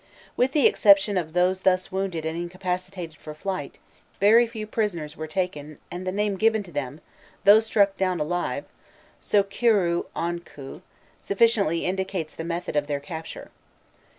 With the exception of those thus wounded and incapacitated for flight, very few prisoners were taken, and the name given to them, "Those struck down alive" sokirûonkhû sufficiently indicates the method of their capture.